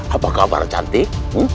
apa kabar cantik